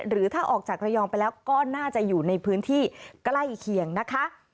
หรือถ้าออกจากระยองไปแล้วก็น่าจะอยู่ในพื้นที่ใกล้เคียงนะคะ